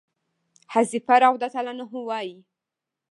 حذيفه رضي الله عنه وايي: